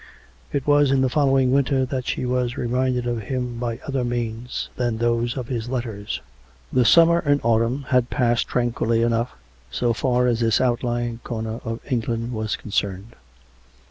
... It was in the following winter that she was reminded of him by other means than those of his letters. The summer and autumn had passed tranquilly enough, so far as this outlying corner of England was concerned.